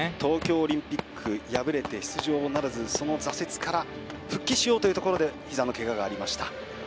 東京オリンピック敗れて出場ならず、その挫折から復帰しようというところでけががありました。